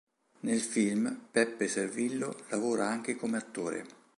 Nel film Peppe Servillo lavora anche come attore.